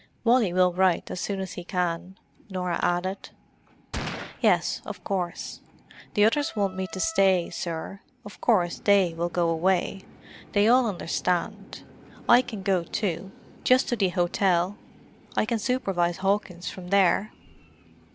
"Wally will write as soon as he can," Norah added. "Yes, of course. The others want me to say, sir, of course they will go away. They all understand. I can go too, just to the hotel. I can supervise Hawkins from there."